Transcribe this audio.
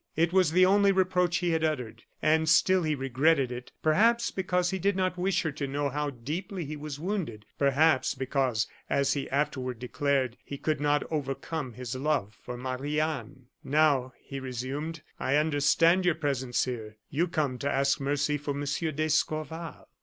It was the only reproach he had uttered, and still he regretted it, perhaps because he did not wish her to know how deeply he was wounded, perhaps because as he afterward declared he could not overcome his love for Marie Anne. "Now," he resumed, "I understand your presence here. You come to ask mercy for Monsieur d'Escorval."